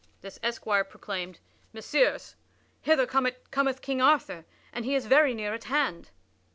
This esquire proclaimed: "Messires, hither cometh King Arthur, and he is very near at hand."